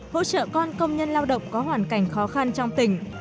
hỗ trợ con công nhân lao động có hoàn cảnh khó khăn trong tỉnh